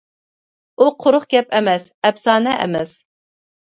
ئۇ قۇرۇق گەپ ئەمەس، ئەپسانە ئەمەس.